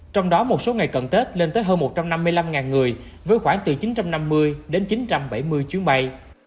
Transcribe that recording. trong đó một số ngày cận tết lên tới hơn một trăm năm mươi năm người với khoảng từ chín trăm năm mươi đến chín trăm bảy mươi chuyến bay